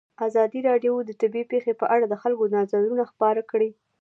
ازادي راډیو د طبیعي پېښې په اړه د خلکو نظرونه خپاره کړي.